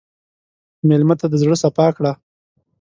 مېلمه ته د زړه صفا کړه.